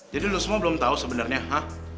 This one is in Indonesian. jadi lu semua belum tau sebenernya hah